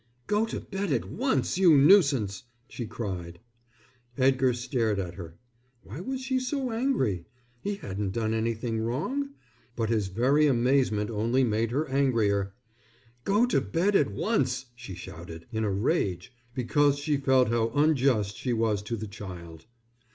"Go to bed at once, you nuisance!" she cried. Edgar stared at her. Why was she so angry? He hadn't done anything wrong. But his very amazement only made her angrier. "Go to bed at once," she shouted, in a rage, because she felt how unjust she was to the child.